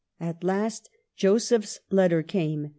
At last Joseph's letter came.